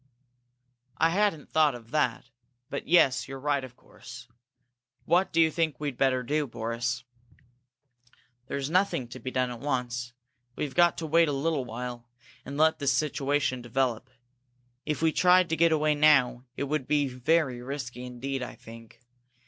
"I hadn't thought of that. But yes, you're right, of course. What do you think we'd better do, Boris?" "There's nothing to be done at once. We've got to wait a little while, and let the situation develop. If we tried to get away now, it would be very risky indeed, I think.